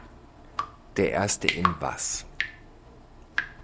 Der Erste in was?